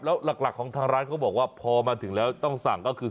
แล้วหลักของทางร้านเขาบอกว่าพอมาถึงแล้วต้องสั่งก็คือ